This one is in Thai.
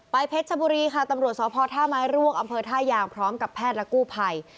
เพชรชบุรีค่ะตำรวจสพท่าไม้รวกอำเภอท่ายางพร้อมกับแพทย์และกู้ภัย